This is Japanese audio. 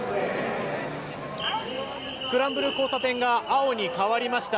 スクランブル交差点が青に変わりました。